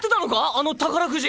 あの宝くじ！